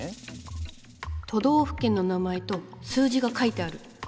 都道府県の名前と数字が書いてある。